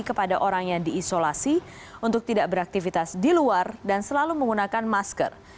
kepada orang yang diisolasi untuk tidak beraktivitas di luar dan selalu menggunakan masker